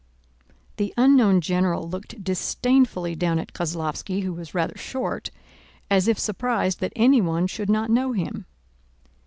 The unknown general looked disdainfully down at Kozlóvski, who was rather short, as if surprised that anyone should not know him.